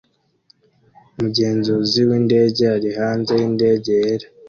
Umugenzuzi windege ari hanze yindege yera